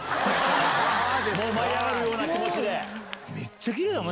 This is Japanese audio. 舞い上がるような気持ち。